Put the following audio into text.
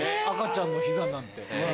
赤ちゃんの膝なんて。